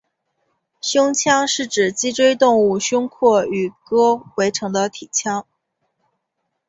胸腔是指脊椎动物胸廓与膈围成的体腔。